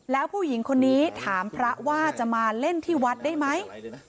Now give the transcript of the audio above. แล้วผู้หญิงคนนี้ถามพระว่าจะมาเล่นที่วัดได้ไหม